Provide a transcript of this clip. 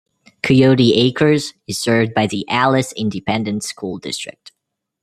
Coyote Acres is served by the Alice Independent School District.